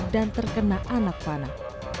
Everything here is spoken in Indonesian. dan terkena anak panah